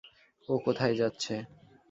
ও কোথায় যাচ্ছে?